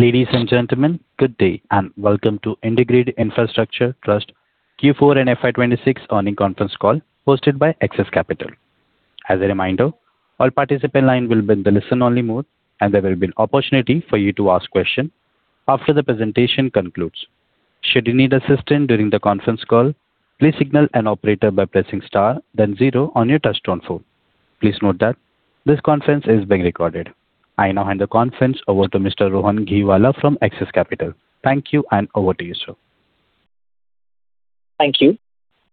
Ladies and gentlemen, good day, and welcome to IndiGrid Infrastructure Trust Q4 and FY 2026 earnings conference call hosted by Axis Capital. As a reminder, all participants line will be in a listen-only mode and there will be an opportunity for you to ask questions after the presentation concludes. Should you need assistance during the conference call, please signal the operator by pressing star then zero on your touchtone phone. Please note that this conference is being recorded. I now hand the conference over to Mr. Rohan Gheewala from Axis Capital. Thank you, and over to you, sir. Thank you.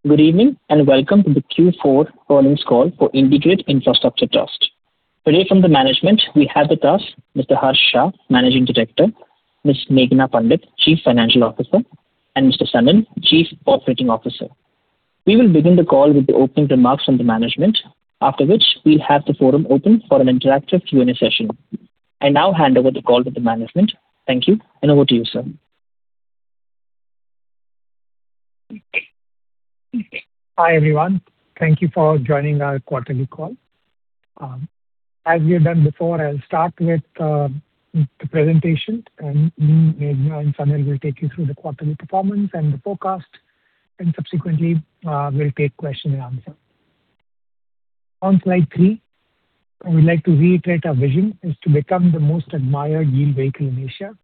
Good evening, and welcome to the Q4 earnings call for IndiGrid Infrastructure Trust. Today from the management we have with us Mr. Harsh Shah, Managing Director; Ms. Meghna Pandit, Chief Financial Officer; and Mr. Sanil, Chief Operating Officer. We will begin the call with the opening remarks from the management, after which we'll have the forum open for an interactive Q&A session. I now hand over the call to the management. Thank you, and over to you, sir. Hi, everyone. Thank you for joining our quarterly call. As we have done before, I'll start with the presentation and me, Meghna, and Sanil will take you through the quarterly performance and the forecast, and subsequently, we'll take question and answer. On slide three, we'd like to reiterate our vision is to become the most admired yield vehicle in Asia,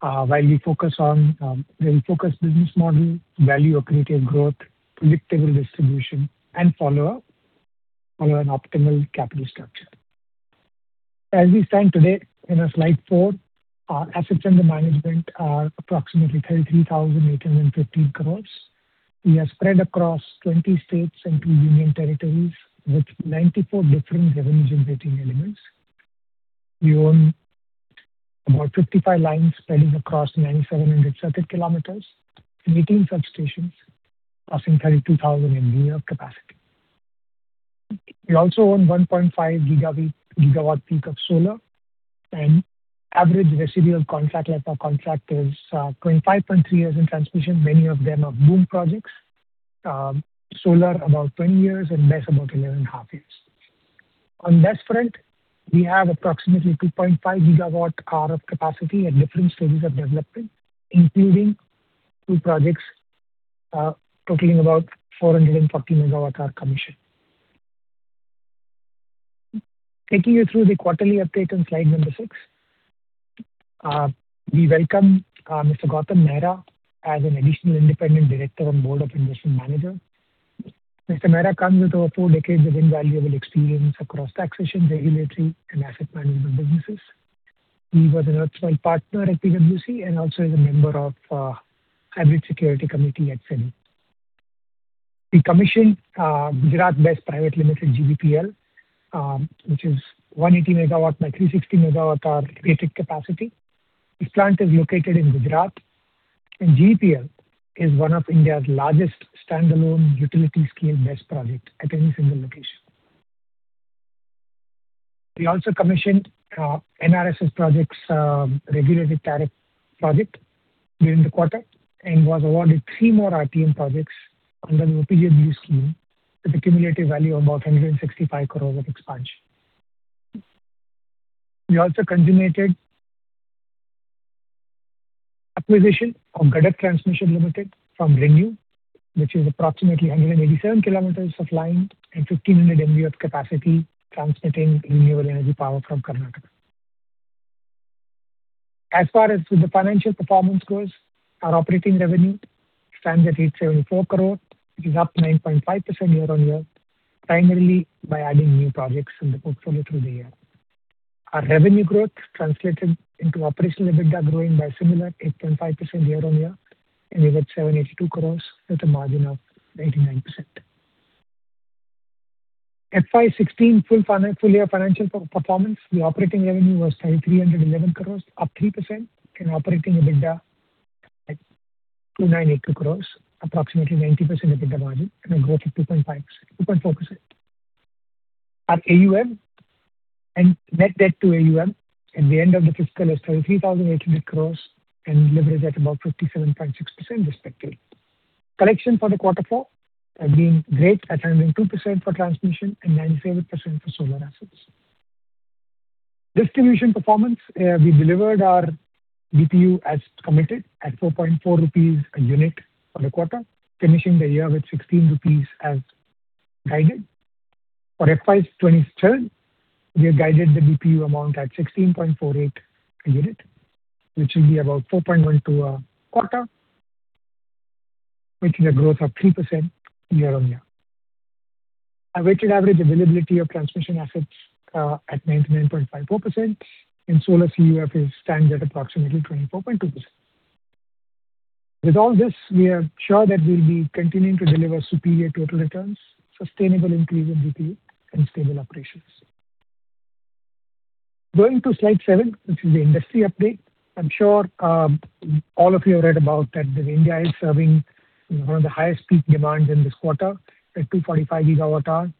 while we focus on a focused business model, value accretive growth, predictable distribution, and follow an optimal capital structure. As we stand today in our slide four, our assets under management are approximately 33,815 crores. We are spread across 20 states and two union territories with 94 different revenue-generating elements. We own about 55 lines spreading across 9,700 circuit kilometers and 18 substations passing 32,000 MVA of capacity. We also own 1.5 GW peak of solar and average residual contract life or contract is 25.3 years in transmission. Many of them are BOOM projects. Solar about 10 years and BESS about 11.5 years. On BESS front, we have approximately 2.5 GWh of capacity at different stages of development, including two projects totaling about 440 MWh commission. Taking you through the quarterly update on slide number six. We welcome Mr. Gautam Mehra as an Additional Independent Director on board of Investment Manager. Mr. Mehra comes with over four decades of invaluable experience across taxation, regulatory and asset management businesses. He was an erstwhile partner at PwC and also is a member of Hybrid Securities Advisory Committee at SEBI. We commissioned Gujarat BESS Private Limited, GBPL, which is 180 MW by 360 MWh rated capacity. This plant is located in Gujarat. GBPL is one of India's largest standalone utility-scale BESS project at any single location. We also commissioned NRSS project's regulated tariff project during the quarter and was awarded three more RTM projects under the UPAV scheme with a cumulative value of about 165 crore at expansion. We also consummated acquisition of Gadag Transmission Limited from ReNew, which is approximately 187 km of line and 1,500 MVA of capacity transmitting renewable energy power from Karnataka. As far as the financial performance goes, our operating revenue stands at 874 crore. It is up 9.5% year-over-year, primarily by adding new projects in the portfolio through the year. Our revenue growth translated into operational EBITDA growing by similar 8.5% year-on-year and we were at 782 crores with a margin of 89%. FY 2016 full year financial performance, the operating revenue was 3,311 crores, up 3%, and operating EBITDA at 298 crores, approximately 90% EBITDA margin and a growth of 2.4%. Our AUM and net debt to AUM at the end of the fiscal is 33,800 crores and leverage at about 57.6% respectively. Collection for the quarter four have been great at 102% for transmission and 97% for solar assets. Distribution performance, we delivered our DPU as committed at 4.4 rupees a unit for the quarter, finishing the year with 16 rupees as guided. For FY 2027, we have guided the DPU amount at 16.48 a unit, which will be about 4.12 a quarter, which is a growth of 3% year-on-year. Our weighted average availability of transmission assets at 99.54% and solar CUF stands at approximately 24.2%. With all this, we'll be continuing to deliver superior total returns, sustainable increase in DPU and stable operations. Going to slide seven, which is the industry update. I'm sure, all of you have read about that India is serving one of the highest peak demands in this quarter at 245 GWh.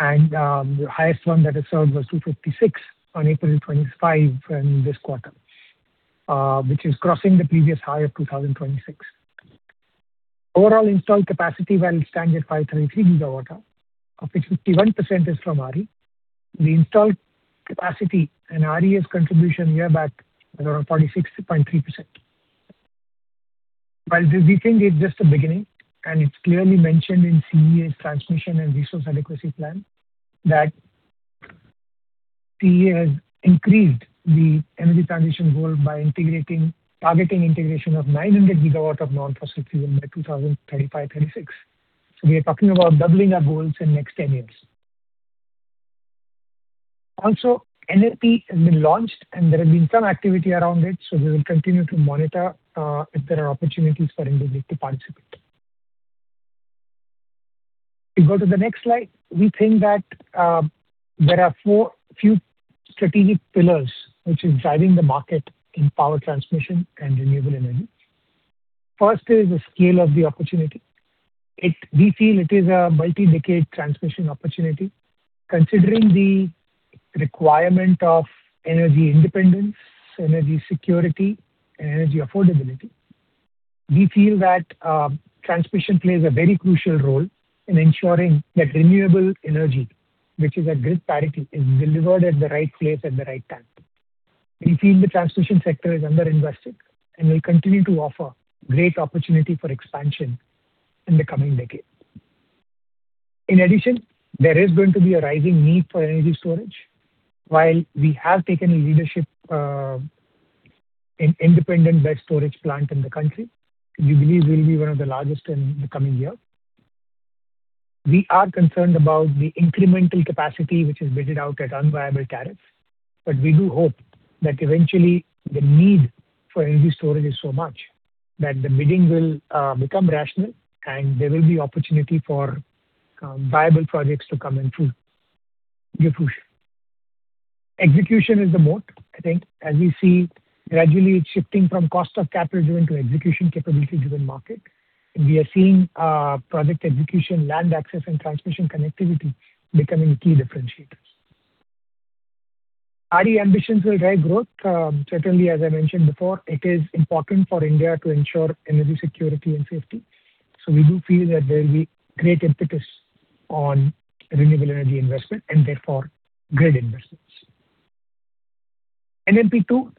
The highest one that it served was 256 on April 25 in this quarter, which is crossing the previous high of 2026. Overall installed capacity will stand at 533 gigawatt, of which 51% is from RE. The installed capacity and RE's contribution year back was around 46.3%. While this, we think it's just the beginning, and it's clearly mentioned in CEA's transmission and resource adequacy plan that CEA has increased the energy transition goal by targeting integration of 900 GW of non-fossil fuel by 2035, 2036. We are talking about doubling our goals in next 10 years. Also, NMP has been launched, and there has been some activity around it, so we will continue to monitor if there are opportunities for IndiGrid to participate. If you go to the next slide. We think that there are few strategic pillars which is driving the market in power transmission and renewable energy. First is the scale of the opportunity. We feel it is a multi-decade transmission opportunity. Considering the requirement of energy independence, energy security, and energy affordability, we feel that transmission plays a very crucial role in ensuring that renewable energy, which is at grid parity, is delivered at the right place at the right time. We feel the transmission sector is underinvested and will continue to offer great opportunity for expansion in the coming decade. In addition, there is going to be a rising need for energy storage. While we have taken a leadership in independent battery storage plant in the country, we believe we'll be one of the largest in the coming year. We are concerned about the incremental capacity which is bidded out at unviable tariff. We do hope that eventually the need for energy storage is so much that the bidding will become rational and there will be opportunity for viable projects to come in full. [Execution]. Execution is the moat, I think, as we see gradually it's shifting from cost of capital-driven to execution capability-driven market. We are seeing project execution, land access, and transmission connectivity becoming key differentiators. RE ambitions will drive growth. Certainly, as I mentioned before, it is important for India to ensure energy security and safety. We do feel that there will be great impetus on renewable energy investment and therefore grid investments. NMP 2.0,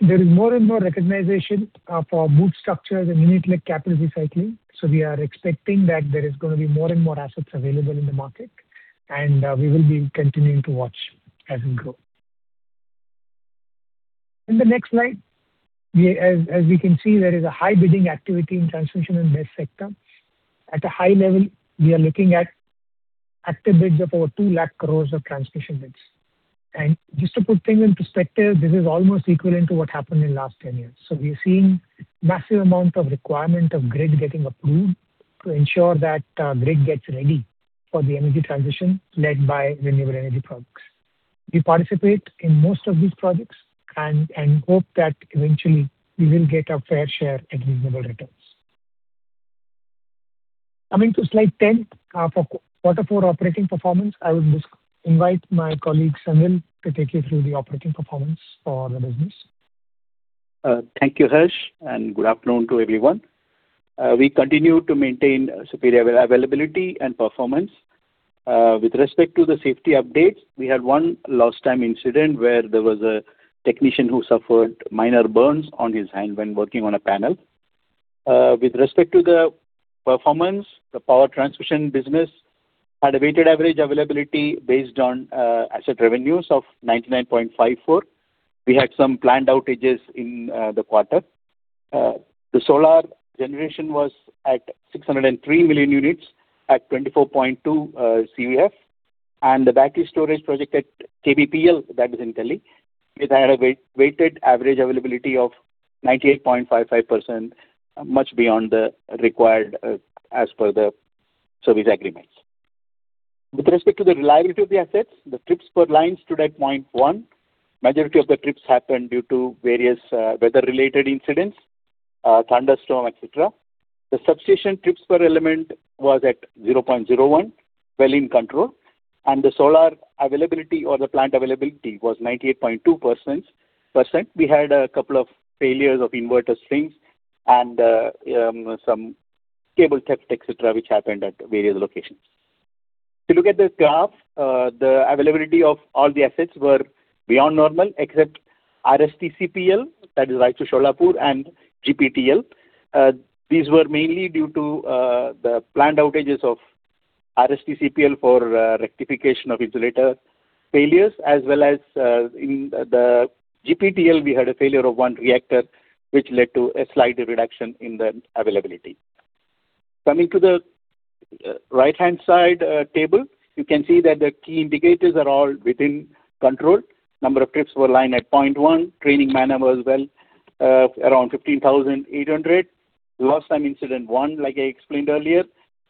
there is more and more recognition for InvIT structures and unit-led capital recycling. We are expecting that there is going to be more and more assets available in the market and we will be continuing to watch as we grow. In the next slide, as we can see, there is a high bidding activity in transmission and BESS sector. At a high level, we are looking at active bids of over 2 lakh crore of transmission bids. Just to put things in perspective, this is almost equivalent to what happened in last 10 years. We are seeing massive amount of requirement of grid getting approved to ensure that grid gets ready for the energy transition led by renewable energy projects. We participate in most of these projects and hope that eventually we will get a fair share at reasonable returns. Coming to slide 10, for quarter four operating performance, I would just invite my colleague Sanil to take you through the operating performance for the business. Thank you, Harsh, and good afternoon to everyone. We continue to maintain superior availability and performance. With respect to the safety updates, we had one loss time incident where there was a technician who suffered minor burns on his hand when working on a panel. With respect to the performance, the power transmission business had a weighted average availability based on asset revenues of 99.54. We had some planned outages in the quarter. The solar generation was at 603 million units at 24.2 CUF. The battery storage project at KBPL, that is in Delhi, it had a weighted average availability of 98.55%, much beyond the required as per the service agreements. With respect to the reliability of the assets, the trips per lines stood at 0.1. Majority of the trips happened due to various weather-related incidents, thunderstorm, et cetera. The substation trips per element was at 0.01, well in control. The solar availability or the plant availability was 98.2%. We had a couple of failures of inverter strings and some cable theft, et cetera, which happened at various locations. If you look at this graph, the availability of all the assets were beyond normal except RSTCPL, that is Raichur Sholapur, and GPTL. These were mainly due to the planned outages of RSTCPL for rectification of insulator failures as well as in the GPTL, we had a failure of one reactor which led to a slight reduction in the availability. Coming to the right-hand side table, you can see that the key indicators are all within control. Number of trips per line at point one. Training man-hour as well, around 15,800. Lost time incident, 1, like I explained earlier.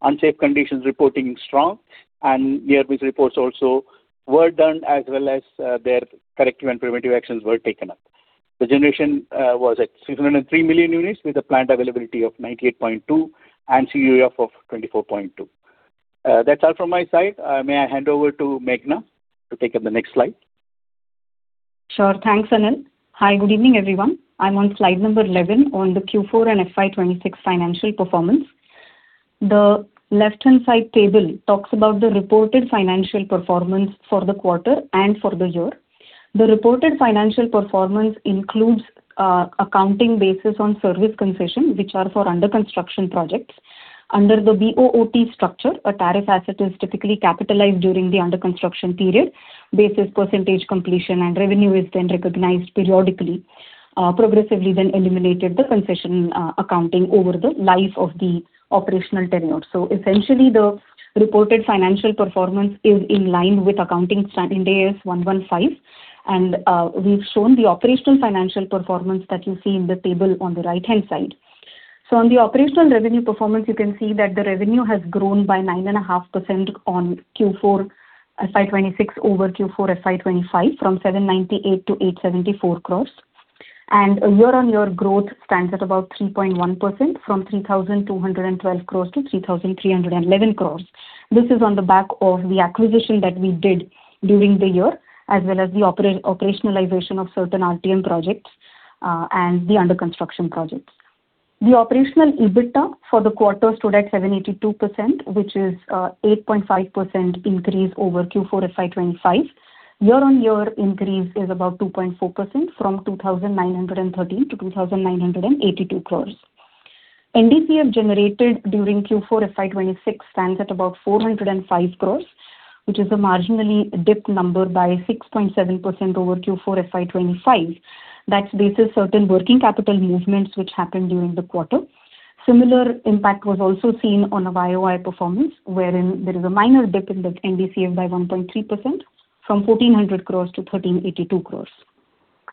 Unsafe conditions reporting, strong. Near-miss reports also were done, as well as, their corrective and preventive actions were taken up. The generation was at 603 million units with a plant availability of 98.2 and CUF of 24.2. That's all from my side. May I hand over to Meghna to take up the next slide? Sure. Thanks, Sanil. Hi, good evening, everyone. I'm on slide number 11 on the Q4 and FY 2026 financial performance. The left-hand side table talks about the reported financial performance for the quarter and for the year. The reported financial performance includes accounting basis on service concession, which are for under construction projects. Under the BOOT structure, a tariff asset is typically capitalized during the under construction period. Basis percentage completion and revenue is then recognized periodically, progressively then eliminated the concession accounting over the life of the operational tenure. Essentially, the reported financial performance is in line with accounting Ind AS 115 and we've shown the operational financial performance that you see in the table on the right-hand side. On the operational revenue performance, you can see that the revenue has grown by 9.5% on Q4 FY 2026 over Q4 FY 2025 from 798 crore-874 crore. Year-over-year growth stands at about 3.1% from 3,212 crore-3,311 crore. This is on the back of the acquisition that we did during the year as well as the operationalization of certain RTM projects and the under construction projects. The operational EBITDA for the quarter stood at 782 crore, which is 8.5% increase over Q4 FY 2025. Year-over-year increase is about 2.4% from 2,913 crore-2,982 crore. NDCF generated during Q4 FY 2026 stands at about 405 crores, which is a marginally dipped number by 6.7% over Q4 FY 2025. That's basis certain working capital movements which happened during the quarter. Similar impact was also seen on a year-over-year performance, wherein there is a minor dip in the NDCF by 1.3% from 1,400 crores to 1,382 crores.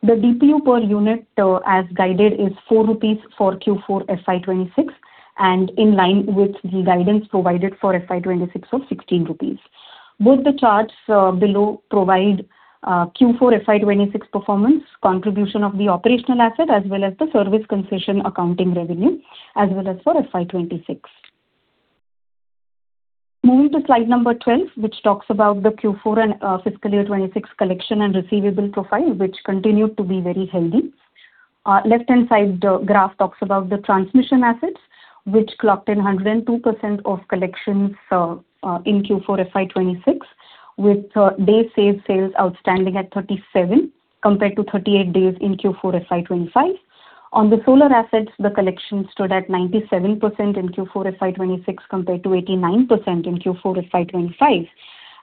The DPU per unit, as guided is 4 rupees for Q4 FY 2026 and in line with the guidance provided for FY 2026 of 16 rupees. Both the charts below provide Q4 FY 2026 performance contribution of the operational asset as well as the service concession accounting revenue, as well as for FY 2026. Moving to slide number 12, which talks about the Q4 and fiscal year 2026 collection and receivable profile, which continued to be very healthy. Left-hand side graph talks about the transmission assets, which clocked in 102% of collections in Q4 FY 2026, with days sales outstanding at 37 compared to 38 days in Q4 FY 2025. On the solar assets, the collection stood at 97% in Q4 FY 2026 compared to 89% in Q4 FY 2025,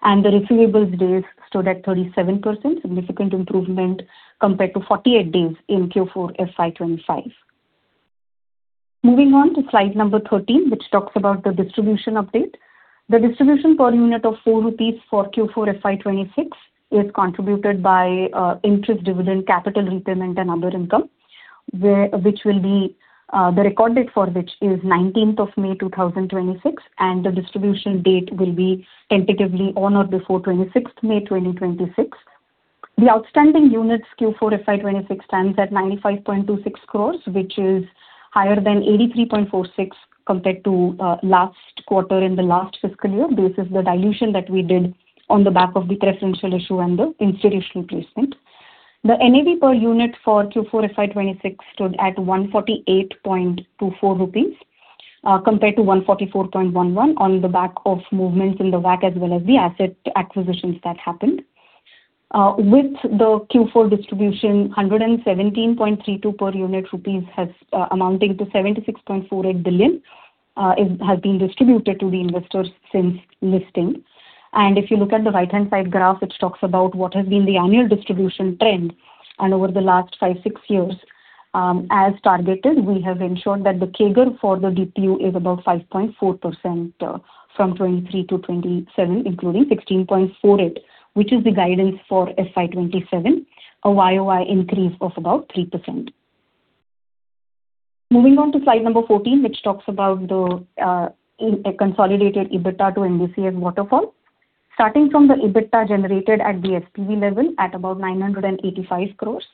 and the receivables days stood at 37%, significant improvement compared to 48 days in Q4 FY 2025. Moving on to slide number 13, which talks about the distribution update. The distribution per unit of 4 rupees for Q4 FY 2026 is contributed by interest, dividend, capital repayment, and other income, which will be the record date for which is 19th of May 2026, and the distribution date will be tentatively on or before 26th May 2026. The outstanding units Q4 FY 2026 stands at 95.26 crores, which is higher than 83.46 compared to last quarter in the last fiscal year. This is the dilution that we did on the back of the preferential issue and the institutional placement. The NAV per unit for Q4 FY 2026 stood at 148.24 rupees, compared to 144.11 on the back of movements in the WACC as well as the asset acquisitions that happened. With the Q4 distribution, 117.32 per unit, amounting to 76.48 billion, has been distributed to the investors since listing. If you look at the right-hand side graph, which talks about what has been the annual distribution trend over the last five, six years, as targeted, we have ensured that the CAGR for the DPU is about 5.4% from 2023 to 2027, including 16.48, which is the guidance for FY 2027, a YoY increase of about 3%. Moving on to slide number 14, which talks about the consolidated EBITDA to NDCF waterfall. Starting from the EBITDA generated at the SPV level at about 985 crores.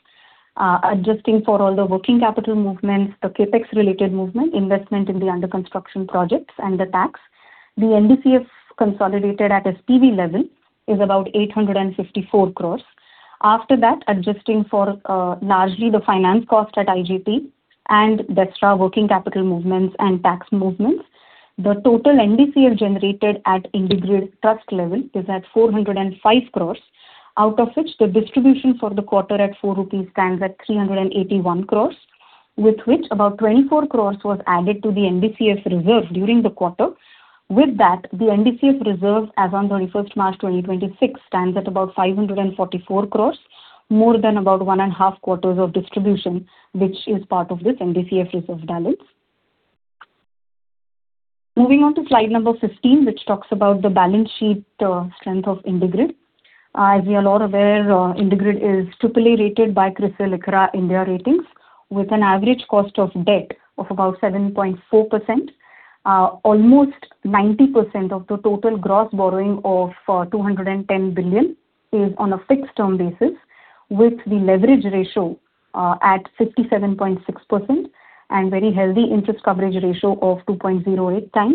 Adjusting for all the working capital movements, the CapEx related movement, investment in the under construction projects and the tax. The NDCF consolidated at SPV level is about 854 crores. After that, adjusting for largely the finance cost at IGT and the extra working capital movements and tax movements. The total NDCF generated at IndiGrid trust level is at 405 crores, out of which the distribution for the quarter at 4 rupees stands at 381 crores, with which about 24 crores was added to the NDCF reserve during the quarter. With that, the NDCF reserve as on 31st March 2026 stands at about 544 crores, more than about one and a half quarters of distribution, which is part of this NDCF reserve balance. Moving on to slide number 15, which talks about the balance sheet strength of IndiGrid. As you're all aware, IndiGrid is AAA rated by CRISIL-ICRA India Ratings with an average cost of debt of about 7.4%. Almost 90% of the total gross borrowing of 210 billion is on a fixed-term basis with the leverage ratio at 57.6% and very healthy interest coverage ratio of 2.08x.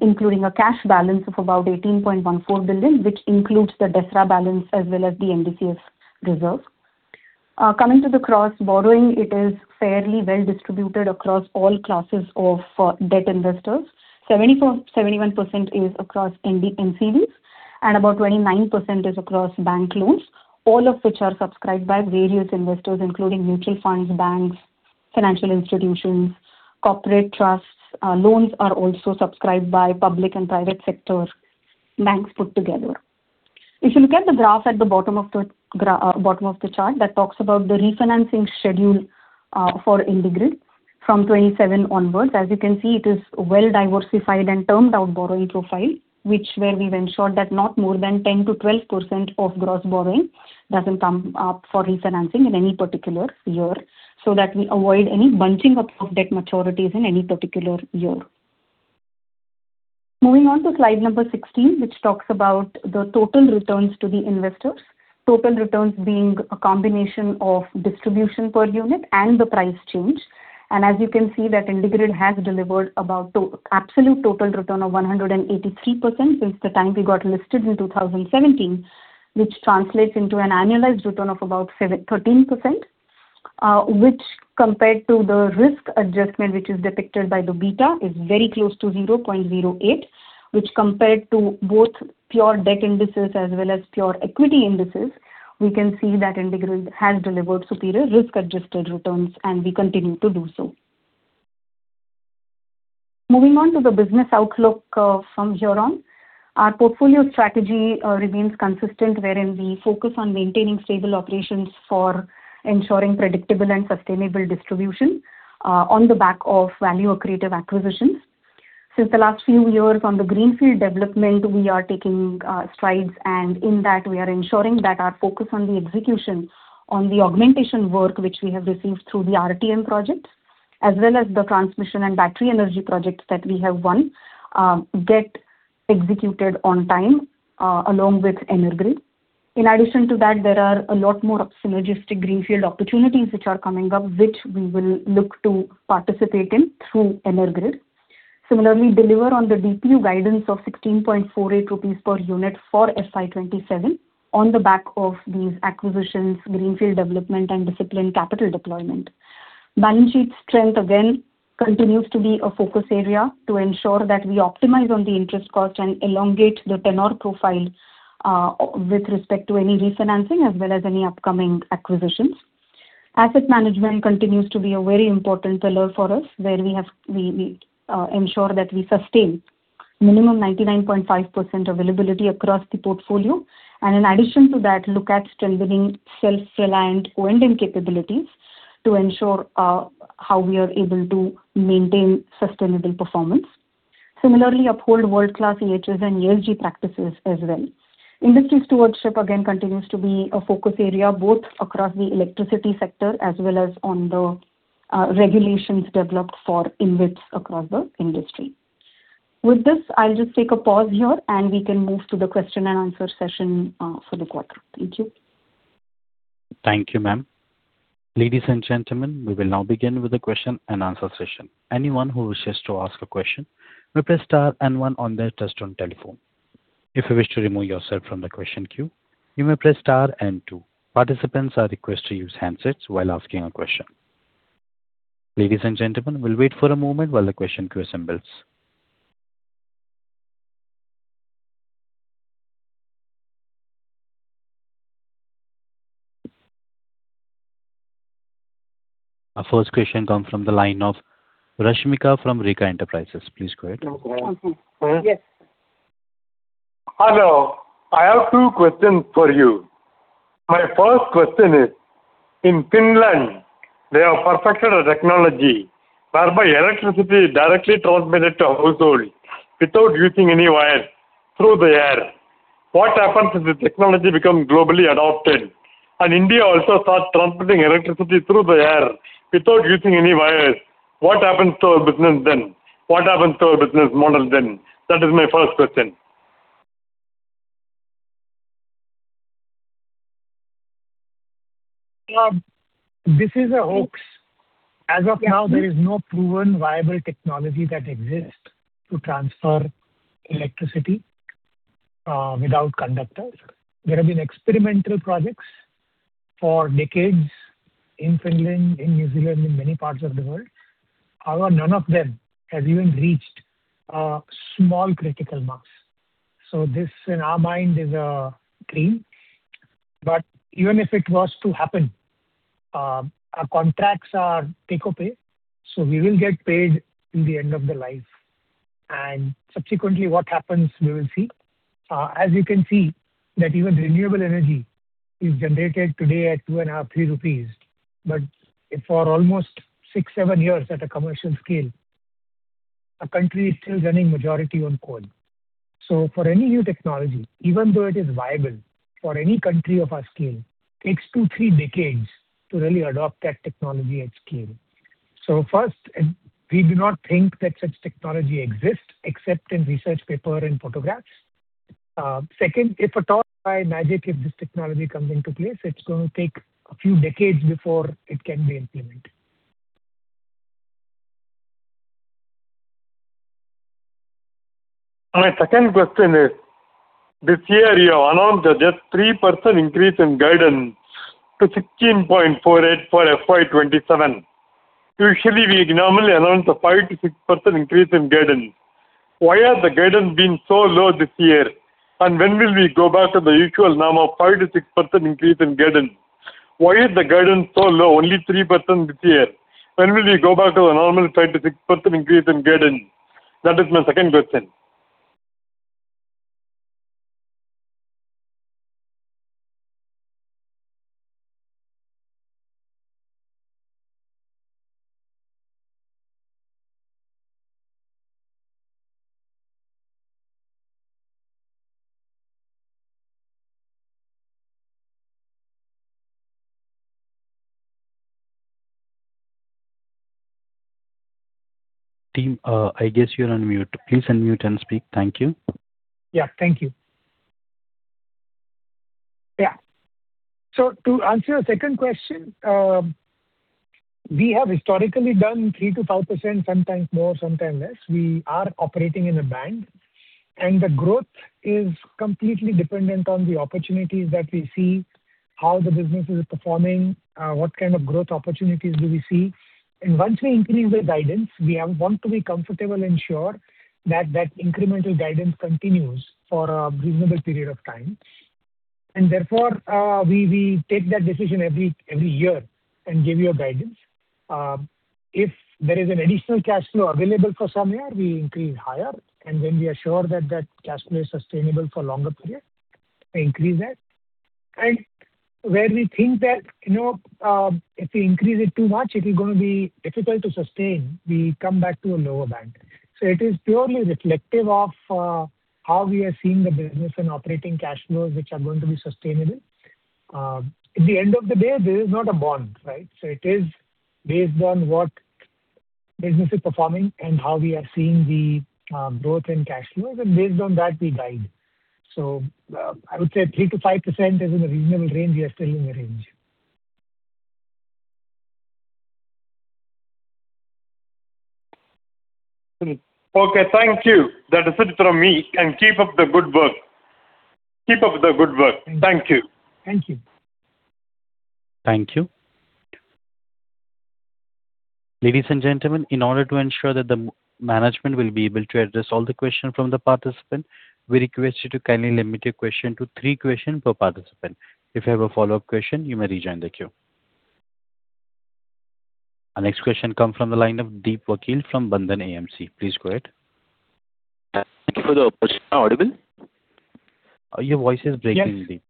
Including a cash balance of about 18.14 billion, which includes the DSRA balance as well as the NDCF reserve. Coming to the gross borrowing, it is fairly well distributed across all classes of debt investors. 71% is across NCDs, and about 29% is across bank loans, all of which are subscribed by various investors, including mutual funds, banks, financial institutions, corporate trusts. Loans are also subscribed by public and private sector banks put together. If you look at the graph at the bottom of the chart, that talks about the refinancing schedule for IndiGrid from 2027 onwards. As you can see, it is well diversified and termed out borrowing profile, where we've ensured that not more than 10-12% of gross borrowing doesn't come up for refinancing in any particular year, so that we avoid any bunching up of debt maturities in any particular year. Moving on to slide number 16, which talks about the total returns to the investors. Total returns being a combination of DPU and the price change. As you can see that IndiGrid has delivered about to absolute total return of 183% since the time we got listed in 2017, which translates into an annualized return of about 7.13%. Which compared to the risk adjustment which is depicted by the beta, is very close to 0.08, which compared to both pure debt indices as well as pure equity indices, we can see that IndiGrid has delivered superior risk-adjusted returns, and we continue to do so. Moving on to the business outlook from here on. Our portfolio strategy remains consistent, wherein we focus on maintaining stable operations for ensuring predictable and sustainable distribution on the back of value-accretive acquisitions. Since the last few years on the greenfield development, we are taking strides. In that we are ensuring that our focus on the execution on the augmentation work which we have received through the RTM projects, as well as the transmission and battery energy projects that we have won, get executed on time along with EnerGrid. In addition to that, there are a lot more synergistic greenfield opportunities which are coming up, which we will look to participate in through EnerGrid. Similarly, deliver on the DPU guidance of 16.48 rupees per unit for FY 2027 on the back of these acquisitions, greenfield development and disciplined capital deployment. Balance sheet strength again continues to be a focus area to ensure that we optimize on the interest cost and elongate the tenor profile with respect to any refinancing as well as any upcoming acquisitions. Asset management continues to be a very important pillar for us, where we ensure that we sustain minimum 99.5% availability across the portfolio. In addition to that, look at strengthening self-reliant O&M capabilities to ensure how we are able to maintain sustainable performance. Similarly, uphold world-class EHS and ESG practices as well. Industry stewardship again continues to be a focus area both across the electricity sector as well as on the regulations developed for InvITs across the industry. With this, I'll just take a pause here, and we can move to the question and answer session for the quarter. Thank you. Thank you, ma'am. Ladies and gentlemen, we will now begin with the question and answer session. Anyone who wishes to ask a question may press star and one on their touchtone telephone. If you wish to remove yourself from the question queue, you may press star and two. Participants are requested to use handsets while asking a question. Ladies and gentlemen, we'll wait for a moment while the question queue assembles. Our first question comes from the line of Rashmika from Rika Enterprises. Please go ahead. Yes. Hello. I have two questions for you. My first question is: In Finland, they have perfected a technology whereby electricity is directly transmitted to households without using any wires, through the air. What happens if the technology becomes globally adopted and India also starts transmitting electricity through the air without using any wires? What happens to our business then? What happens to our business model then? That is my first question. This is a [hoax]. As of now, there is no proven viable technology that exists to transfer electricity without conductors. There have been experimental projects for decades in Finland, in New Zealand, in many parts of the world. However, none of them have even reached a small critical mass. This, in our mind, is a dream. Even if it was to happen, our contracts are take or pay, we will get paid till the end of the life. Subsequently, what happens, we will see. As you can see that even renewable energy is generated today at two and a half rupees, INR 3. For almost six, seven years at a commercial scale, a country is still running majority on coal. For any new technology, even though it is viable, for any country of our scale, takes two, three decades to really adopt that technology at scale. First, we do not think that such technology exists except in research paper and photographs. Second, if at all by magic if this technology comes into place, it's gonna take a few decades before it can be implemented. My second question is, this year you have announced a just 3% increase in guidance to 16.48 for FY 2027. Usually, we normally announce a 5%-6% increase in guidance. Why has the guidance been so low this year? When will we go back to the usual norm of 5%-6% increase in guidance? Why is the guidance so low, only 3% this year? When will we go back to the normal 5%-6% increase in guidance? That is my second question. Team, I guess you're on mute. Please unmute and speak. Thank you. Thank you. To answer your second question, we have historically done 3%-5%, sometimes more, sometimes less. We are operating in a band, the growth is completely dependent on the opportunities that we see, how the business is performing, what kind of growth opportunities do we see. Once we increase the guidance, we want to be comfortable and sure that that incremental guidance continues for a reasonable period of time. Therefore, we take that decision every year and give you a guidance. If there is an additional cash flow available for some year, we increase higher. When we are sure that that cash flow is sustainable for longer period, we increase that. Where we think that, you know, if we increase it too much, it is gonna be difficult to sustain, we come back to a lower bank. It is purely reflective of how we are seeing the business and operating cash flows which are going to be sustainable. At the end of the day, this is not a bond, right? It is based on what business is performing and how we are seeing the growth in cash flows, and based on that we guide. I would say 3%-5% is in a reasonable range. We are still in the range. Okay. Thank you. That is it from me. Keep up the good work. Thank you. Thank you. Thank you. Ladies and gentlemen, in order to ensure that the management will be able to address all the question from the participant, we request you to kindly limit your question to three question per participant. If you have a follow-up question, you may rejoin the queue. Our next question come from the line of Deep Vakil from Bandhan AMC. Please go ahead. Thank you for the opportunity. Am I audible? Your voice is breaking, Deep.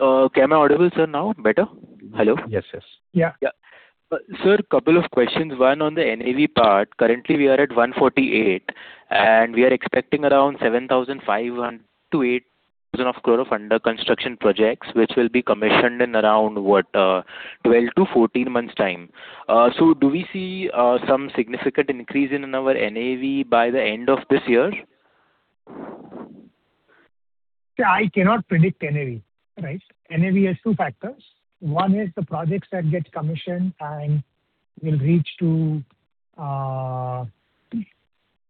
Okay. Am I audible, sir, now? Better? Hello? Yes. Yeah. Yeah. Sir, two questions, one on the NAV part. Currently we are at 148, and we are expecting around 7,500 crore-8,000 crore of under construction projects which will be commissioned in around, what, 12-14 months' time. Do we see some significant increase in our NAV by the end of this year? Yeah, I cannot predict NAV, right? NAV has two factors. One is the projects that get commissioned and will reach to the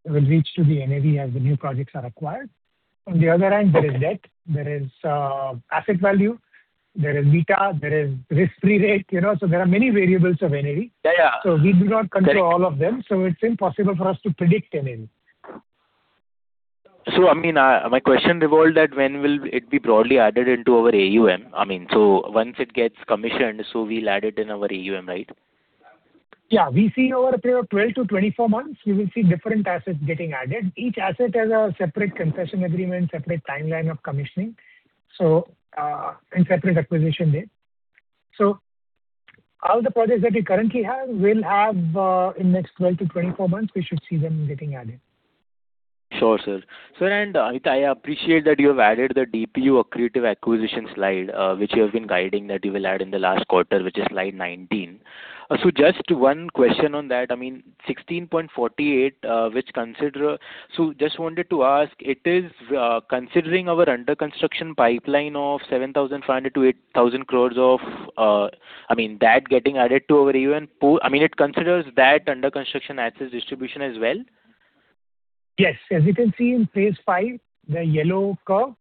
NAV as the new projects are acquired. On the other hand, there is debt, there is asset value, there is beta, there is risk-free rate, you know. There are many variables of NAV. Yeah, yeah. We do not control all of them, so it is impossible for us to predict NAV. I mean, my question revolved at when will it be broadly added into our AUM. I mean, once it gets commissioned, we'll add it in our AUM, right? We see over a period of 12-24 months, we will see different assets getting added. Each asset has a separate concession agreement, separate timeline of commissioning, so, and separate acquisition date. All the projects that we currently have will have, in next 12-24 months, we should see them getting added. Sure, sir. Sir, I appreciate that you have added the DPU accretive acquisition slide, which you have been guiding that you will add in the last quarter, which is slide 19. Just one question on that. I mean, 16.48, just wanted to ask, it is considering our under construction pipeline of 7,500 crore-8,000 crore of, I mean, that getting added to our AUM pool. I mean, it considers that under construction assets distribution as well? Yes. As you can see in phase five, the yellow curve.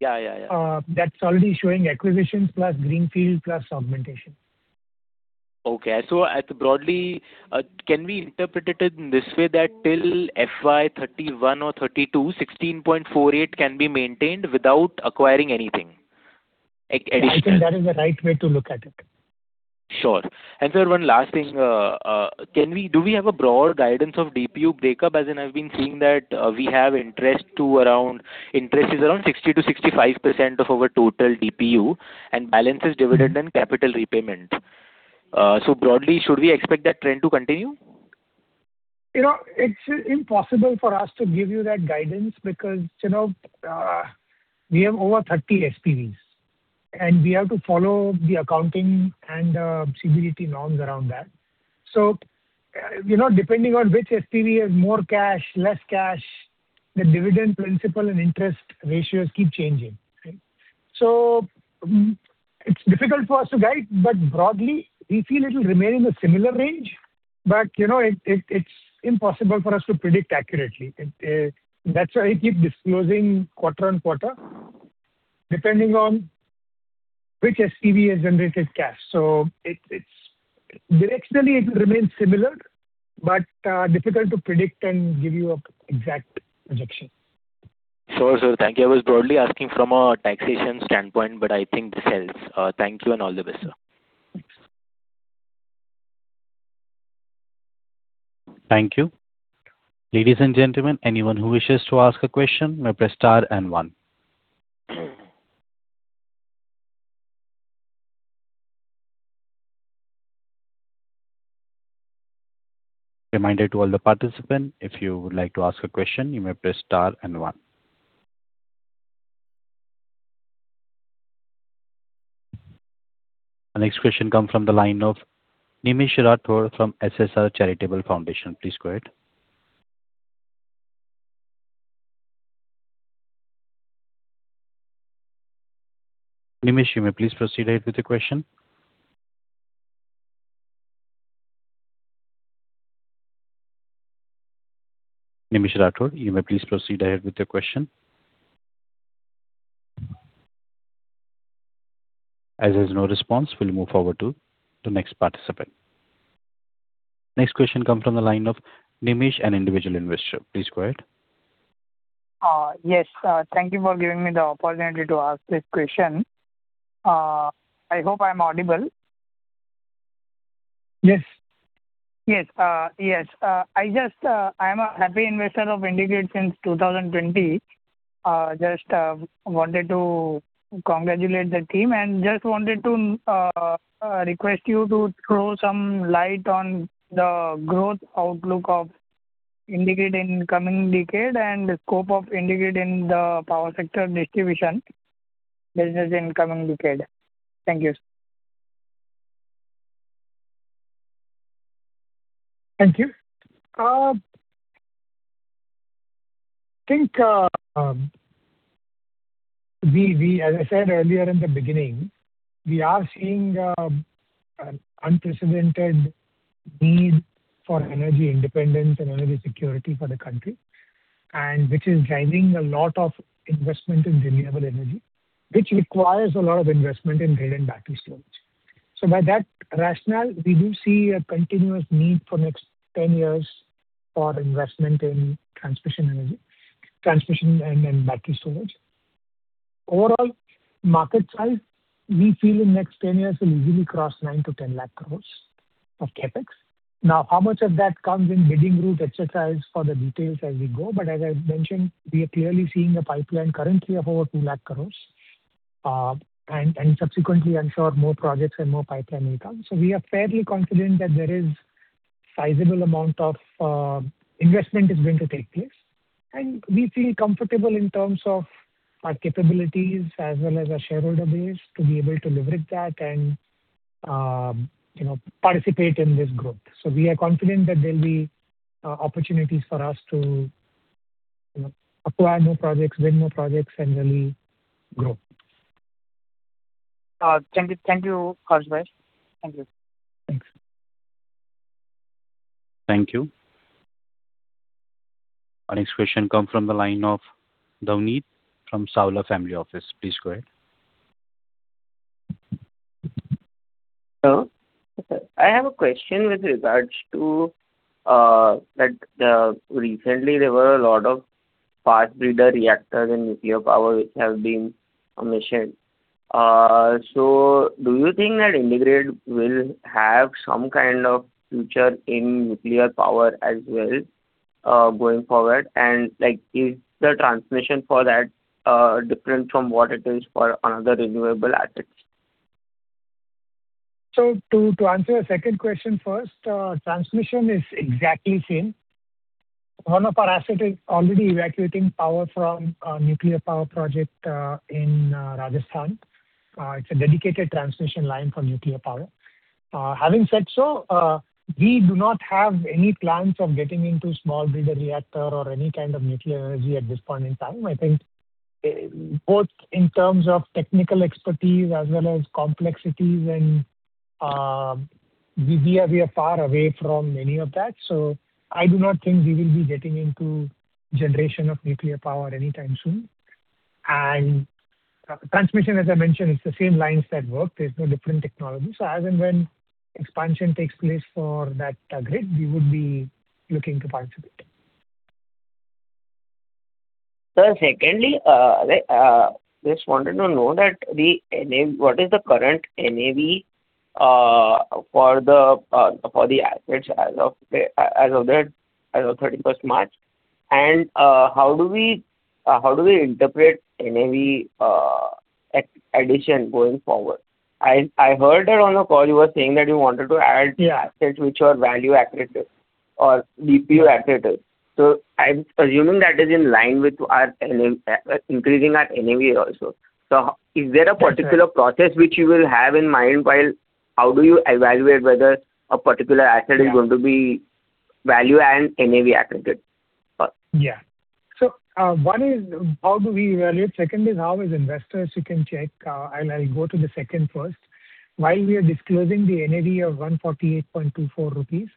Yeah. Yeah. Yeah. That's already showing acquisitions plus greenfield plus augmentation. Okay. At broadly, can we interpret it in this way that till FY 2031 or 2032, INR 16.48 can be maintained without acquiring anything additional? I think that is the right way to look at it. Sure. Sir, one last thing. Do we have a broader guidance of DPU breakup? As in I've been seeing that, we have interest around 60%-65% of our total DPU, and balance is dividend and capital repayment. Broadly, should we expect that trend to continue? You know, it's impossible for us to give you that guidance because, you know, we have over 30 SPVs. And we have to follow the accounting and CBDT norms around that. You know, depending on which SPV has more cash, less cash, the dividend principal and interest ratios keep changing, right? It's difficult for us to guide, but broadly we feel it will remain in a similar range. You know, it's impossible for us to predict accurately. That's why we keep disclosing quarter-on-quarter, depending on which SPV has generated cash. It's directionally it will remain similar, but difficult to predict and give you an exact projection. Sure, sir. Thank you. I was broadly asking from a taxation standpoint, but I think this helps. Thank you and all the best, sir. Thanks. Thank you. Ladies and gentlemen, anyone who wishes to ask a question may press star and one. Reminder to all the participant, if you would like to ask a question, you may press star and one. Our next question come from the line of Nimish Rathore from SSR Charitable Foundation. Please go ahead. Nimish, you may please proceed ahead with your question. Nimish Rathore, you may please proceed ahead with your question. As there's no response, we'll move forward to the next participant. Next question come from the line of Nimish, an individual investor. Please go ahead. Yes. Thank you for giving me the opportunity to ask this question. I hope I'm audible. Yes. Yes. Yes. I just, I'm a happy investor of IndiGrid since 2020. Just wanted to congratulate the team and just wanted to request you to throw some light on the growth outlook of IndiGrid in coming decade and the scope of IndiGrid in the power sector distribution business in coming decade. Thank you. Thank you. I think, as I said earlier in the beginning, we are seeing unprecedented need for energy independence and energy security for the country, which is driving a lot of investment in renewable energy, which requires a lot of investment in grid and battery storage. By that rationale, we do see a continuous need for next 10 years for investment in transmission and battery storage. Overall market size, we feel in next 10 years will easily cross 9 lakh crores-10 lakh crores of CapEx. How much of that comes in bidding route, et cetera, is for the details as we go. As I mentioned, we are clearly seeing a pipeline currently of over 2 lakh crores. Subsequently I'm sure more projects and more pipeline will come. We are fairly confident that there is sizable amount of investment is going to take place, and we feel comfortable in terms of our capabilities as well as our shareholder base to be able to leverage that and, you know, participate in this growth. We are confident that there'll be opportunities for us to, you know, acquire more projects, win more projects and really grow. Thank you. Thank you, Harsh Shah. Thank you. Thanks. Thank you. Our next question comes from the line of Navneet from Savla Family Office. Please go ahead. Hello. I have a question with regards to, recently there were a lot of fast breeder reactors in nuclear power which have been commissioned. Do you think that IndiGrid will have some kind of future in nuclear power as well, going forward? Is the transmission for that different from what it is for another renewable assets? To answer your second question first, transmission is exactly same. One of our asset is already evacuating power from a nuclear power project in Rajasthan. It's a dedicated transmission line for nuclear power. Having said so, we do not have any plans of getting into small breeder reactor or any kind of nuclear energy at this point in time. I think, both in terms of technical expertise as well as complexities and, we are far away from any of that, so I do not think we will be getting into generation of nuclear power anytime soon. Transmission, as I mentioned, it's the same lines that work. There's no different technology. As and when expansion takes place for that grid, we would be looking to participate. Sir, secondly, like, just wanted to know that what is the current NAV for the assets as of the 31st March? How do we interpret NAV addition going forward? I heard that on a call you were saying that you wanted to. Yeah. The assets which were value accretive. DPU accreted. I'm assuming that is in line with our increasing our NAV also. That's right. Is there a particular process which you will have in mind while how do you evaluate whether a particular asset? Yeah. is going to be value and NAV accreted? One is how do we evaluate, second is how as investors you can check. I'll go to the second first. While we are disclosing the NAV of 148.24 rupees,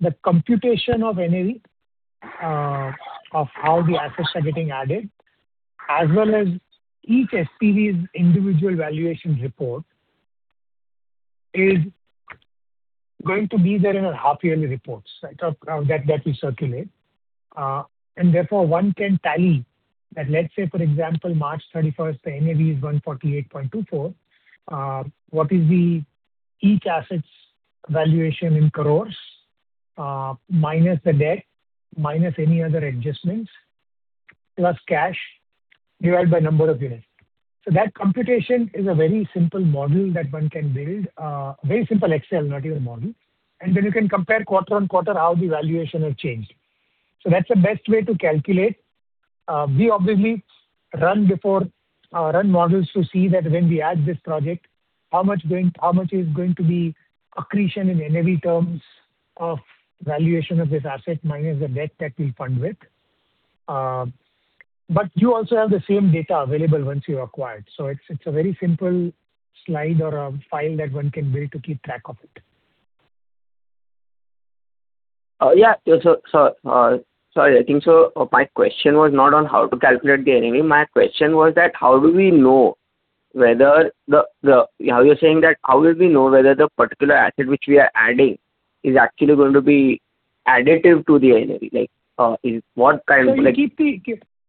the computation of NAV of how the assets are getting added, as well as each SPV's individual valuation report is going to be there in our half-yearly reports, right, of that we circulate. Therefore one can tally that let's say, for example, March 31st, the NAV is 148.24, what is the each asset's valuation in crores, minus the debt, minus any other adjustments, plus cash, divided by number of units. That computation is a very simple model that one can build. Very simple Excel, not even a model. Then you can compare quarter-on-quarter how the valuation has changed. That's the best way to calculate. We obviously run before run models to see that when we add this project, how much is going to be accretion in NAV terms of valuation of this asset minus the debt that we fund with. But you also have the same data available once you acquire it. It's a very simple slide or a file that one can build to keep track of it. Yeah. Sorry, I think my question was not on how to calculate the NAV. My question was that how do we know whether the particular asset which we are adding is actually going to be additive to the NAV? You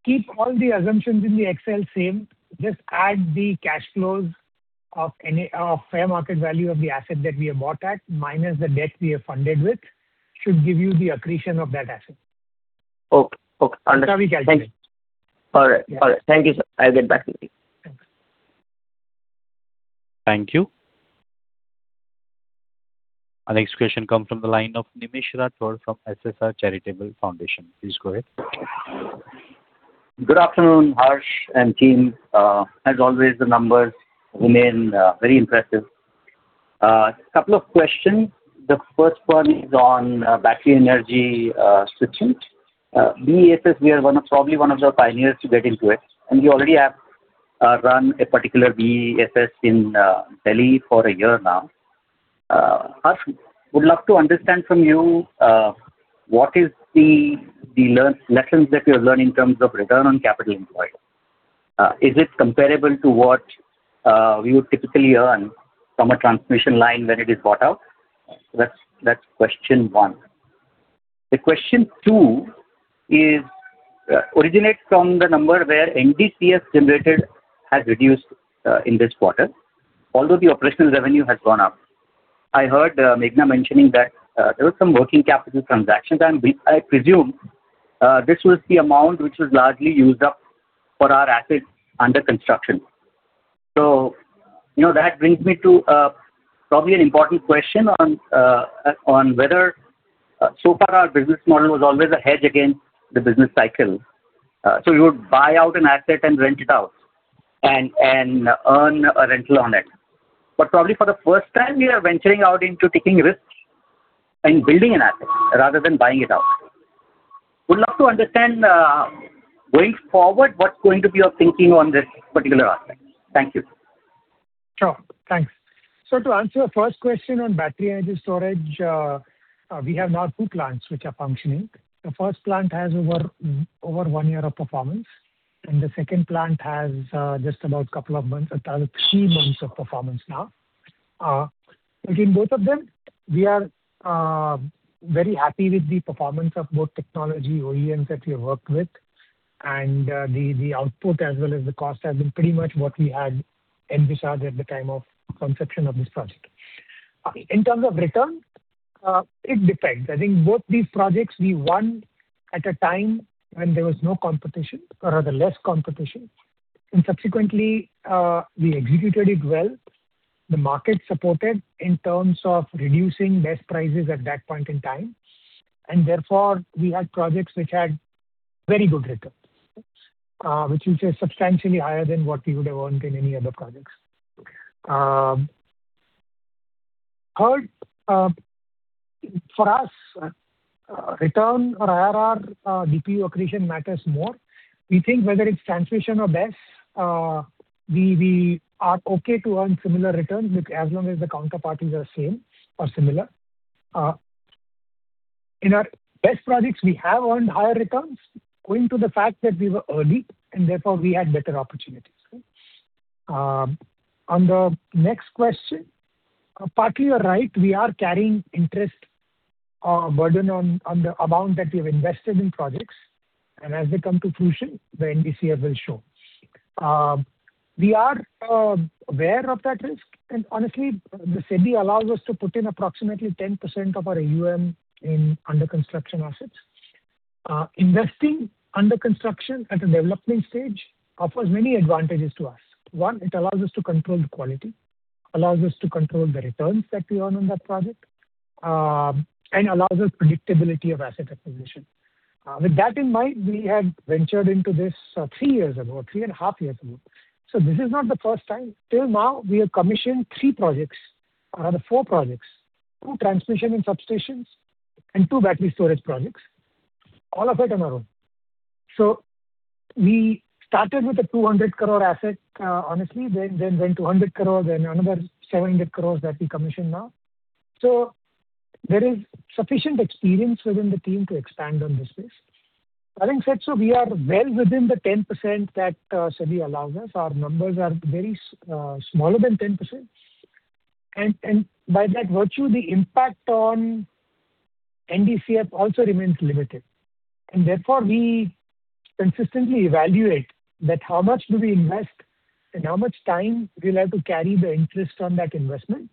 keep the assumptions in the Excel same. Just add the cash flows of the fair market value of the asset that we have bought at minus the debt we have funded with should give you the accretion of that asset. Okay. Okay. Understood. That's how we calculate. Thanks. All right. All right. Thank you, sir. I'll get back with you. Thanks. Thank you. Our next question comes from the line of [Nimish Rathore] from SSR Charitable Foundation. Please go ahead. Good afternoon, Harsh and team. As always, the numbers remain very impressive. Couple of questions. The first 1 is on battery energy storage. BESS, we are one of, probably one of the pioneers to get into it, and we already have run a particular BESS in Delhi for one year now. Harsh, would love to understand from you, what is the learn-lessons that you have learned in terms of return on capital employed? Is it comparable to what we would typically earn from a transmission line when it is bought out? That's question one. The question two is, originates from the number where NDCF generated has reduced in this quarter, although the operational revenue has gone up. I heard Meghna mentioning that there were some working capital transactions, and I presume this was the amount which was largely used up for our assets under construction. You know, that brings me to probably an important question on whether so far our business model was always a hedge against the business cycle. You would buy out an asset and rent it out and earn a rental on it. Probably for the first time, we are venturing out into taking risks and building an asset rather than buying it out. Would love to understand going forward, what's going to be your thinking on this particular aspect. Thank you. Sure. Thanks. To answer your first question on Battery Energy Storage, we have now two plants which are functioning. The first plant has over one year of performance, and the second plant has just about couple of months, three months of performance now. I think both of them, we are very happy with the performance of both technology OEMs that we have worked with, and the output as well as the cost has been pretty much what we had envisaged at the time of conception of this project. In terms of return, it depends. I think both these projects we won at a time when there was no competition or rather less competition. Subsequently, we executed it well. The market supported in terms of reducing BESS prices at that point in time. Therefore, we had projects which had very good returns, which is substantially higher than what we would have earned in any other projects. Third, for us, return or IRR, DPU accretion matters more. We think whether it's transmission or BESS, we are okay to earn similar returns as long as the counterparties are same or similar. In our BESS projects we have earned higher returns owing to the fact that we were early and therefore we had better opportunities. On the next question, partly you're right, we are carrying interest burden on the amount that we have invested in projects, and as they come to fruition, the NDCF will show. We are aware of that risk. The SEBI allows us to put in approximately 10% of our AUM in under construction assets. Investing under construction at a development stage offers many advantages to us. One, it allows us to control the quality, allows us to control the returns that we earn on that project, and allows us predictability of asset acquisition. With that in mind, we had ventured into this three years ago, 3.5 years ago. This is not the first time. Till now, we have commissioned four projects. Two transmission and substations and two battery storage projects, all of it on our own. We started with an 200 crore asset. Went to 100 crore and another 700 crore that we commissioned now. There is sufficient experience within the team to expand on this space. Having said so, we are well within the 10% that SEBI allows us. Our numbers are very smaller than 10%. By that virtue the impact on NDCF also remains limited. Therefore we consistently evaluate that how much do we invest and how much time we will have to carry the interest on that investment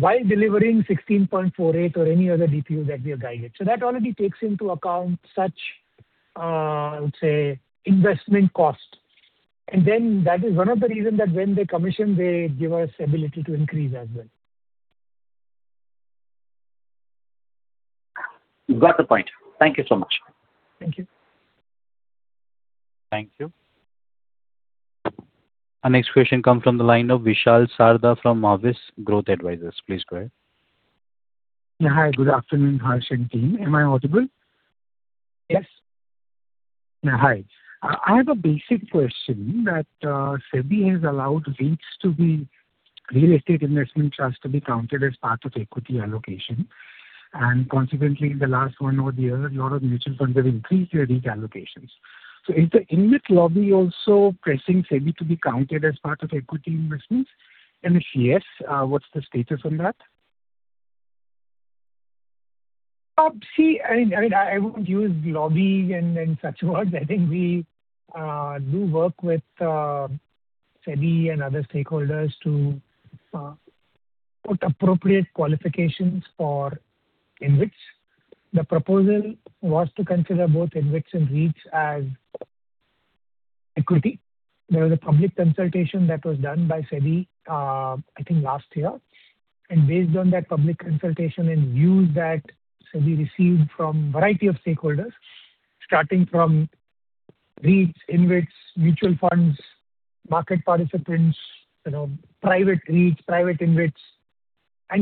while delivering 16.48 or any other DPU that we are guided. That already takes into account such, I would say investment cost. That is one of the reason that when they commission, they give us ability to increase as well. Got the point. Thank you so much. Thank you. Thank you. Our next question comes from the line of Vishal Sarda from Mavis Growth Advisors. Please go ahead. Yeah. Hi, good afternoon, Harsh and team. Am I audible? Yes. Yeah. Hi. I have a basic question that SEBI has allowed REITs to be Real Estate Investment Trust to be counted as part of equity allocation. Consequently, in the last one odd year, a lot of mutual funds have increased their REIT allocations. Is the InvIT lobby also pressing SEBI to be counted as part of equity investments? If yes, what's the status on that? See, I mean, I wouldn't use lobby and such words. I think we do work with SEBI and other stakeholders to put appropriate qualifications for InvITs. The proposal was to consider both InvITs and REITs as equity. There was a public consultation that was done by SEBI, I think last year. Based on that public consultation and views that SEBI received from variety of stakeholders, starting from REITs, InvITs, mutual funds, market participants, you know, private REITs, private InvITs.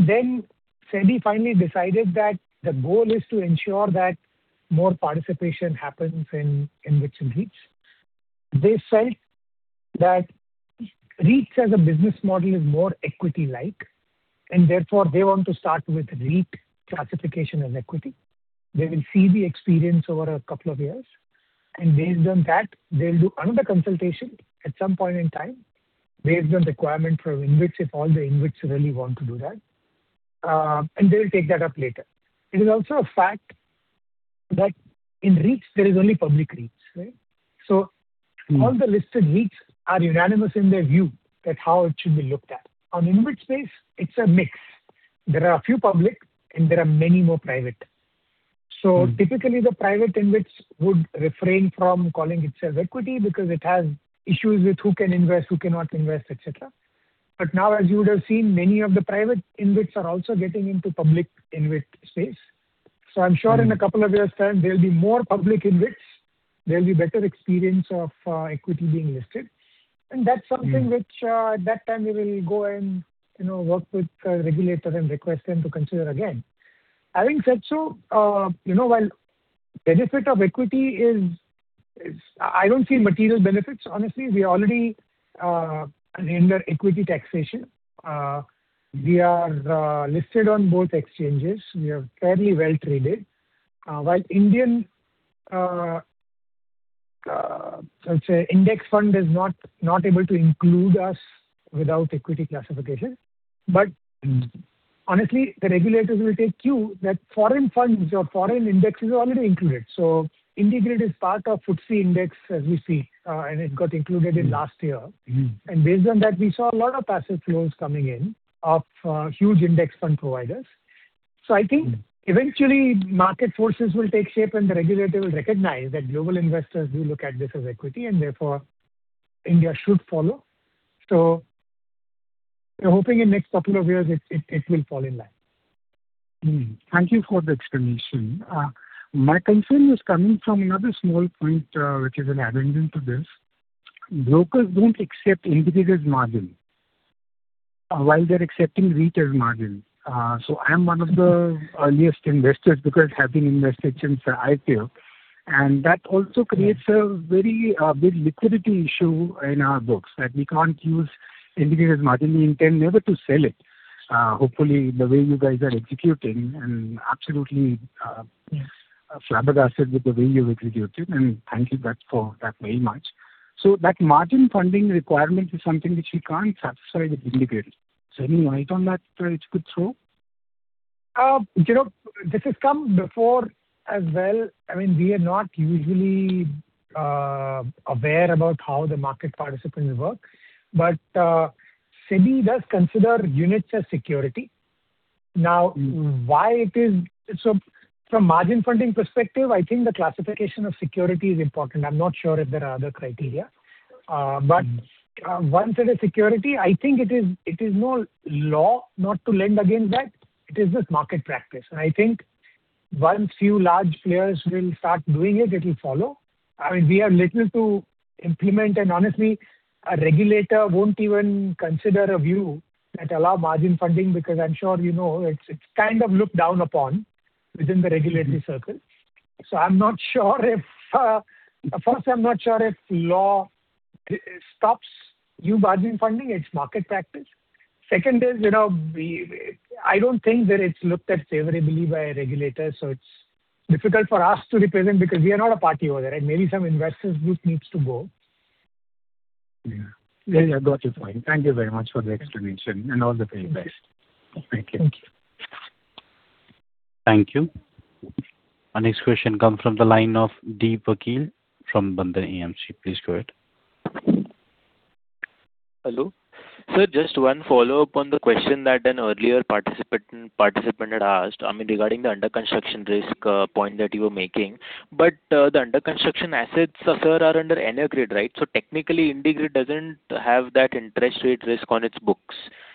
Then SEBI finally decided that the goal is to ensure that more participation happens in InvITs and REITs. They felt that REITs as a business model is more equity-like, and therefore they want to start with REIT classification as equity. They will see the experience over a couple of years, and based on that, they'll do another consultation at some point in time based on requirement for InvITs, if all the InvITs really want to do that. They'll take that up later. It is also a fact that in REITs there is only public REITs, right? All the listed REITs are unanimous in their view that how it should be looked at. On InvIT space, it's a mix. There are a few public and there are many more private. Typically the private InvITs would refrain from calling itself equity because it has issues with who can invest, who cannot invest, et cetera. Now, as you would have seen, many of the private InvITs are also getting into public InvIT space. I'm sure in a couple of years' time there'll be more public InvITs. There'll be better experience of equity being listed. That's something which, at that time we will go and, you know, work with regulators and request them to consider again. Having said so, you know, while benefit of equity is, I don't see material benefits, honestly. We already render equity taxation. We are listed on both exchanges. We are fairly well-traded. While Indian, I'll say index fund is not able to include us without equity classification. Honestly, the regulators will take cue that foreign funds or foreign indexes are already included. IndiGrid is part of FTSE index, as we see, and it got included in last year. Mm-hmm. Mm-hmm. Based on that, we saw a lot of passive flows coming in of huge index fund providers. I think eventually market forces will take shape and the regulator will recognize that global investors do look at this as equity, and therefore India should follow. We're hoping in next couple of years it will fall in line. Thank you for the explanation. My concern is coming from another small point, which is an addendum to this. Brokers don't accept integrated margin, while they're accepting REIT as margin. I am one of the earliest investors because I have been invested since IPO. Yeah. A very big liquidity issue in our books, that we can't use IndiGrid margin. We intend never to sell it. Hopefully the way you guys are executing. Yes. Flabbergasted with the way you've executed, and thank you for that very much. That margin funding requirement is something which we can't satisfy with IndiGrid. Any light on that, it's good to know. You know, this has come before as well. I mean, we are not usually aware about how the market participants work. SEBI does consider units as security. Now, from margin funding perspective, I think the classification of security is important. I'm not sure if there are other criteria. Once it is security, I think it is no law not to lend against that. It is just market practice. I think once few large players will start doing it'll follow. I mean, we are little to implement and honestly, a regulator won't even consider a view that allow margin funding because I'm sure you know it's kind of looked down upon within the regulatory circle. I'm not sure if, first I'm not sure if law stops new margin funding. It's market practice. Second is, you know, we I don't think that it's looked at favorably by a regulator. It's difficult for us to represent because we are not a party over there. Maybe some investors group needs to go. Yeah, I got your point. Thank you very much for the explanation and all the very best. Thank you. Thank you. Thank you. Our next question come from the line of Deep Vakil from Bandhan AMC. Please go ahead. Hello. Sir, just one follow-up on the question that an earlier participant had asked, I mean, regarding the under construction risk point that you were making. The under construction assets, sir, are under EnerGrid, right? Technically, IndiGrid doesn't have that interest rate risk on its books.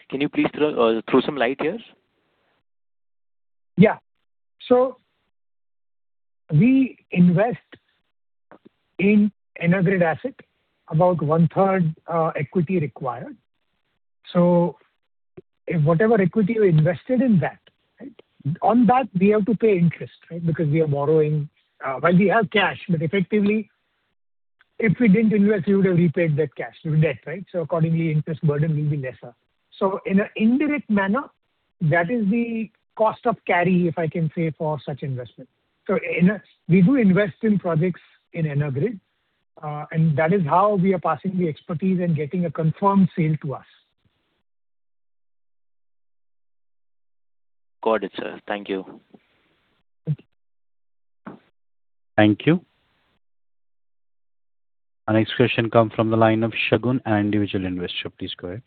Can you please throw some light here? Yeah. We invest in EnerGrid asset about one-third equity required. If whatever equity we invested in that, right? On that we have to pay interest, right? Because we are borrowing. While we have cash, but effectively, if we didn't invest, we would have repaid that cash, debt, right? Accordingly, interest burden will be lesser. In an indirect manner, that is the cost of carry, if I can say, for such investment. We do invest in projects in EnerGrid, and that is how we are passing the expertise and getting a confirmed sale to us. Got it, Sir. Thank you. Thank you. Our next question come from the line of Shagun, Individual Investor. Please go ahead.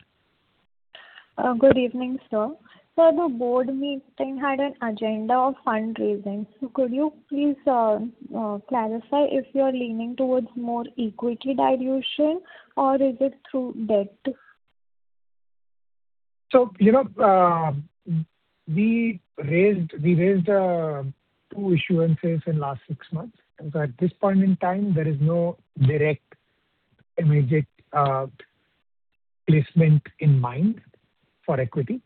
Good evening, sir. Sir, the board meeting had an agenda of fundraising. Could you please clarify if you're leaning towards more equity dilution or is it through debt? You know, we raised two issuances in last six months. At this point in time, there is no direct immediate placement in mind for equity.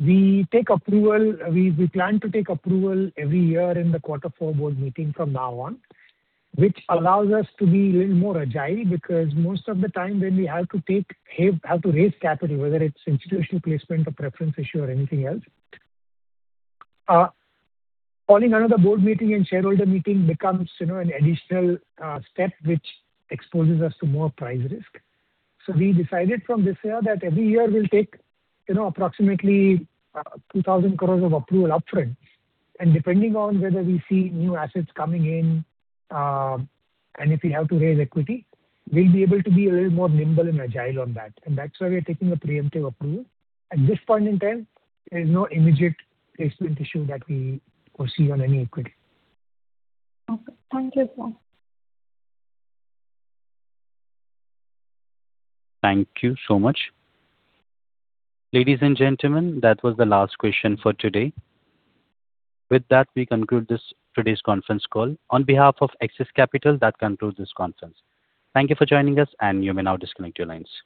We take approval, we plan to take approval every year in the quarter four board meeting from now on, which allows us to be little more agile, because most of the time when we have to take, have to raise capital, whether it's institutional placement or preference issue or anything else, calling another board meeting and shareholder meeting becomes, you know, an additional step which exposes us to more price risk. We decided from this year that every year we'll take, you know, approximately 2,000 crores of approval upfront. Depending on whether we see new assets coming in, and if we have to raise equity, we'll be able to be a little more nimble and agile on that. That's why we are taking a preemptive approval. At this point in time, there is no immediate placement issue that we foresee on any equity. Okay. Thank you, sir. Thank you so much. Ladies and gentlemen, that was the last question for today. With that, we conclude today's conference call. On behalf of Axis Capital, that concludes this conference. Thank you for joining us, and you may now disconnect your lines.